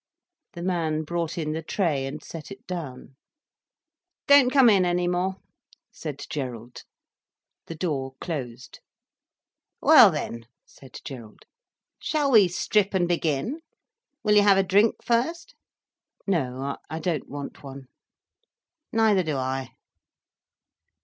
The man brought in the tray and set it down. "Don't come in any more," said Gerald. The door closed. "Well then," said Gerald; "shall we strip and begin? Will you have a drink first?" "No, I don't want one." "Neither do I."